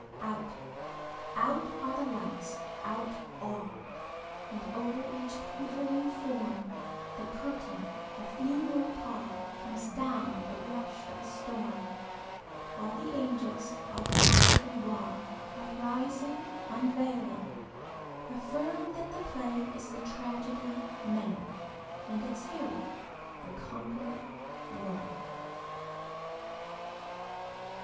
Out—out are the lights—out all! And, over each quivering form, The curtain, a funeral pall, Comes down with the rush of a storm, While the angels, all pallid and wan, Uprising, unveiling, affirmThat the play is the tragedy, 'Man,'And its hero the Conqueror Worm.